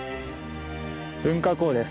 噴火口です。